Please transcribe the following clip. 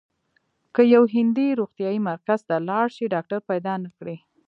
که یو هندی روغتیايي مرکز ته لاړ شي ډاکټر پیدا نه کړي.